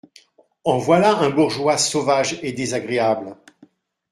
En voilà un bourgeois sauvage et désagréable !…